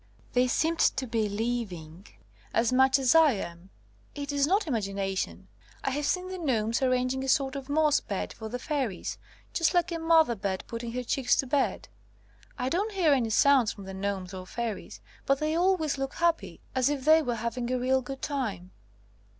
They seemed to be living as much as I am. It is not imagination. I have seen the gnomes arranging a sort of mo^s bed for the fairies, just like a mother bird putting her chicks to bed. I don't hear any sounds from the gnomes or fairies, but they always look happy, as if they were having a real good time.